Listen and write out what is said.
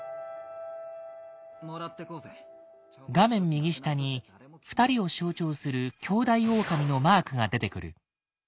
画面右下に２人を象徴する兄弟狼のマークが出てくる。